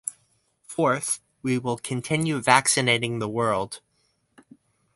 Fourth, we will continue vaccinating the world.